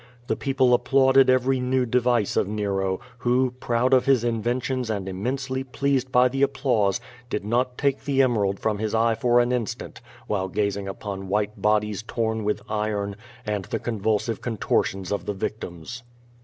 The people applauded every new device of Nero, who, proud of his inventions and im mensely pleased by the applause, did not take the emerald from his eye for an instant while gazing upon white bodies torn with iron, and the convulsive contortions of the victims.